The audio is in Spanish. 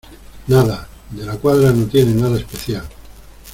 nada, De la Cuadra no tiene nada especial.